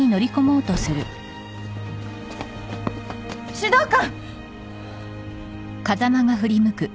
指導官！